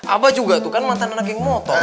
apa juga tuh kan mantan anak geng motor